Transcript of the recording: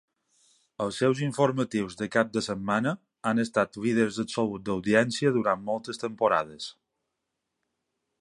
Els seus informatius de cap de setmana han estat líders absoluts d'audiència durant moltes temporades.